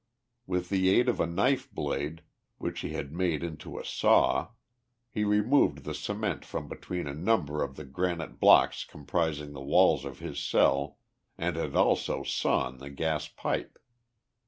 With the aid of a knife blade, which he had made into a saw, he removed the cement from between a number of the granite blocks comprising the walls of his cell, and had also sawn the gas pipe.